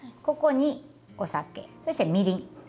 ここにお酒そしてみりん。